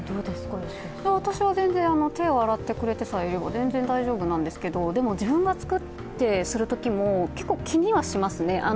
私は全然、手を洗ってくれてさえいれば大丈夫なんですけどでも、自分が作ってするときも、結構気にはしますね。